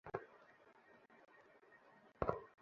স্থানীয় পুলিশকে কল করে রাস্তা বন্ধ করো।